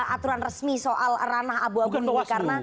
aturan resmi soal ranah abu abu ini karena